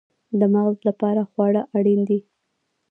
د مغز لپاره خواړه اړین دي